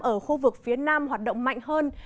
ở khu vực phía nam hoạt động mạnh hơn